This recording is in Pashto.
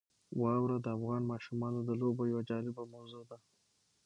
واوره د افغان ماشومانو د لوبو یوه جالبه موضوع ده.